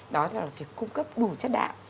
đó là việc cung cấp đủ chất đạo